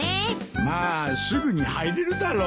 まあすぐに入れるだろう。